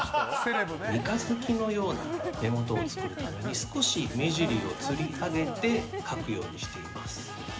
三日月のような目元を作るために少し目尻をつり上げて描くようにしてます。